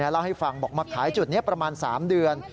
เล่าให้ฟังบอกมาขายจุดนี้ประมาณ๓เดือน